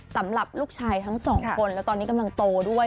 สำหรับลูกชายทั้งสองคนแล้วตอนนี้กำลังโตด้วย